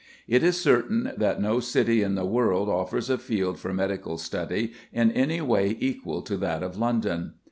It is certain that no city in the world offers a field for medical study in any way equal to that of London.